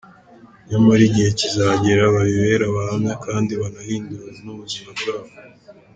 Nyamara igihe kizagera babibere abahamya kandi banahindure n’ubuzima bwabo.